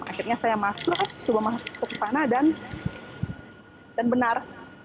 akhirnya saya masuk coba masuk ke sana dan benar